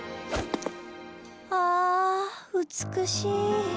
あ美しい。